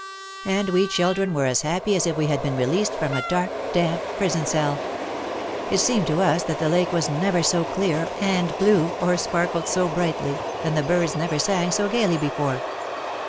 And we children were as happy as if we had been released from a dark, damp prison cell. It seemed to us that the lake was never so clear and blue or sparkled so brightly, and the birds never sang so gaily before.